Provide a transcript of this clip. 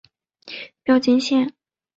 标津线。